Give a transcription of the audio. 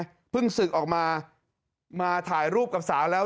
ภาพว่านี่เป็นไงเพิ่งศึกออกมามาถ่ายรูปกับสาวแล้ว